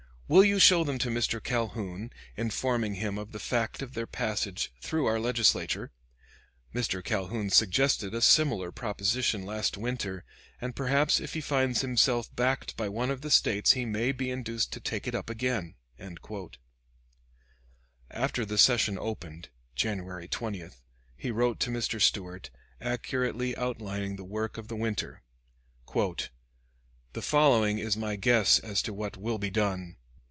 Will you show them to Mr. Calhoun, informing him of the fact of their passage through our Legislature! Mr. Calhoun suggested a similar proposition last winter; and perhaps if he finds himself backed by one of the States he may be induced to take it up again." After the session opened, January 20, he wrote to Mr. Stuart, accurately outlining the work of the winter: "The following is my guess as to what will be done.